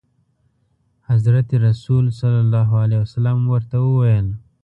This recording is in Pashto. حضرت رسول صلعم ورته وویل.